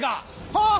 あっ！